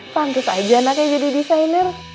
pantas aja anaknya jadi desainer